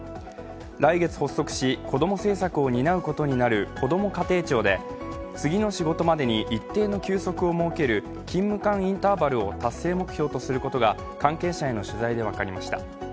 来月発足し、子ども政策を担うことになるこども家庭庁で次の仕事までに一定の休息を設ける勤務間インターバルを達成目標とすることが関係者への取材で分かりました。